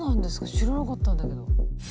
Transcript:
知らなかったんだけど。